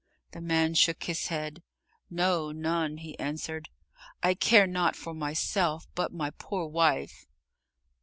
The man shook his head. "No, none," he answered. "I care not for myself, but my poor wife."